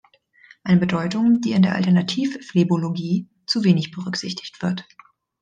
Eine Bedeutung, die in der Alternativ-Phlebologie zu wenig berücksichtigt wird.